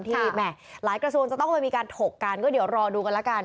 แหม่หลายกระทรวงจะต้องไปมีการถกกันก็เดี๋ยวรอดูกันแล้วกัน